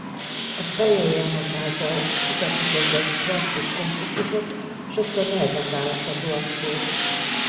A Selye János által kutatni kezdett stressz és a konfliktusok sokszor nehezen választhatóak szét.